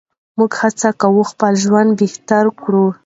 موږ هڅه کوو خپل ژوند بهتر کړو.